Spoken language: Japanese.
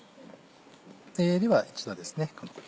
では一度ですね